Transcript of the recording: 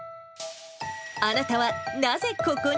あなたはなぜここに？